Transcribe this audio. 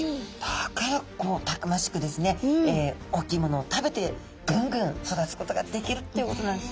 だからこうたくましくですね大きいものを食べてぐんぐん育つことができるっていうことなんですね。